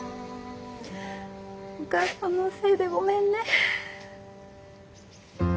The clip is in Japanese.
お母さんのせいでごめんね。